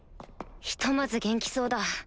ひとまず元気そうだ